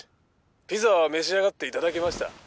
ピザは召し上がっていただけました？